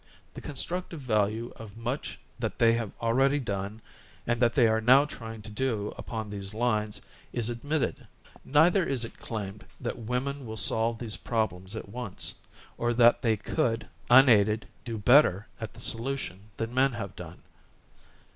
The constructive value of much that they have already done and that they are now trying to do upon these lines, is admitted. Neither is it claimed that women will solve these problems at once, or that they could, un aided, do better at the solution than men have done.